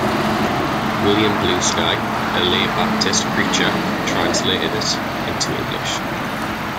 William Bluesky, a lay Baptist preacher, translated it into English.